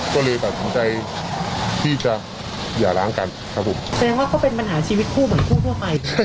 ก็เลยตัดสินใจที่จะหย่าล้างกันครับผมแสดงว่าเขาเป็นปัญหาชีวิตคู่เหมือนคู่ทั่วไป